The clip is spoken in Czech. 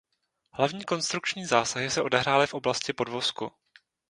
Hlavní konstrukční zásahy se odehrály v oblasti podvozku.